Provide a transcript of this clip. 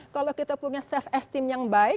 kalau kita punya self esteem yang baik